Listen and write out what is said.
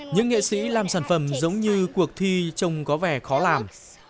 những nghệ sĩ làm sản phẩm giống như cuộc thi trông có vẻ khó làm